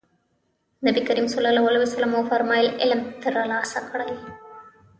نبي کريم ص وفرمايل علم ترلاسه کړئ.